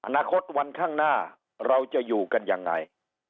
อนาคตวันข้างหน้าเราจะอยู่กันยังไง